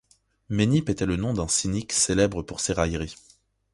Ménippe était le nom d'un cynique célèbre pour ses railleries.